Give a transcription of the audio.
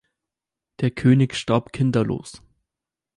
Der König starb kinderlos.